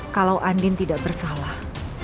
kalau andin tidak bersalah